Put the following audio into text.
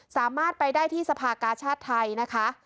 สามารถไปได้ที่สภากาชาติไทยนะคะ